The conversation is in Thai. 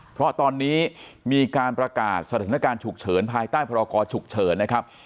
เพราะตอนนี้มีการประกาศสถานการณ์ฉุกเฉินภายใต้พรกรฉุกเฉินนะครับ